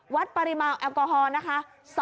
วัดปริมาณแอลกอฮอล์นะคะ